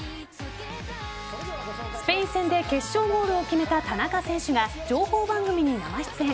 スペイン戦で決勝ゴールを決めた田中選手が情報番組に生出演。